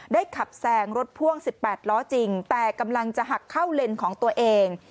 ขับแซงรถพ่วง๑๘ล้อจริงแต่กำลังจะหักเข้าเลนของตัวเอง